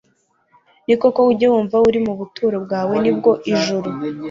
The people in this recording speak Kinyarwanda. ni koko ujye wumva uri mu buturo bwawe ni bwo ijuru